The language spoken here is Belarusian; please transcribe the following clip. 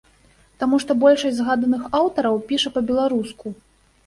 Таму што большасць згаданых аўтараў піша па-беларуску.